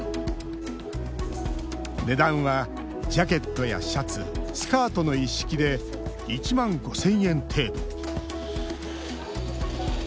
値段はジャケットやシャツスカートの一式で１万５０００円程度。